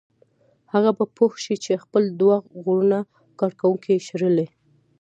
هغه به پوه شي چې خپل دوه غوره کارکوونکي یې شړلي